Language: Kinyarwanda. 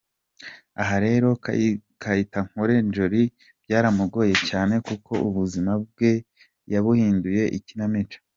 Aha rero Kayitenkote Ndjoli byaramugoye cyane kuko ubuzima bwe yabuhinduye ikinamico.